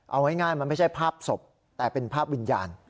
เอาง่ายมันไม่ใช่ภาพศพแต่เป็นภาพวิญญาณ